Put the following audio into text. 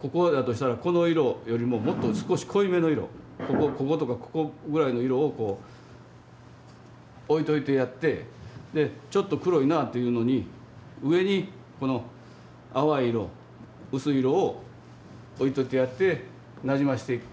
ここだとしたらこの色よりももっと少し濃いめの色こことかここぐらいの色をこう置いといてやってちょっと黒いなっていうのに上にこの淡い色薄い色を置いといてやってなじましていく。